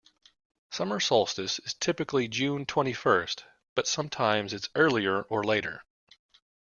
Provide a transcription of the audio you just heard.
Summer solstice is typically June twenty-first, but sometimes it's earlier or later.